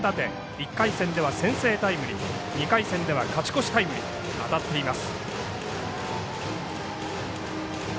１回戦では先制タイムリー２回戦では勝ち越しタイムリーと当たっています。